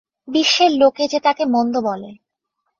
বিশ্বের লোকে যে তাকে মন্দ বলে।